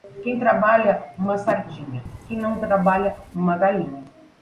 Quem trabalha, uma sardinha; e quem não trabalha, uma galinha.